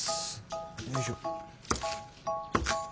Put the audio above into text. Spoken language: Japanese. よいしょ。